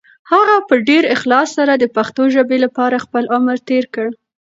هغه په ډېر اخلاص سره د پښتو ژبې لپاره خپل عمر تېر کړ.